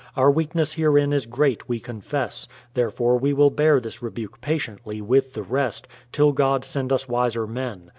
Our weakness herein is great, we confess ; therefore we will bear this rebuke patiently, with the rest, till God send us wiser men.